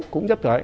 cũng rất là